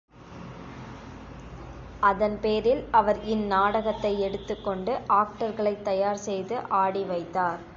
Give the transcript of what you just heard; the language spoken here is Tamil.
அதன் பேரில் அவர் இந் நாடகத்தை எடுத்துக் கொண்டு ஆக்டர்களைத் தயார் செய்து ஆடி வைத்தார்.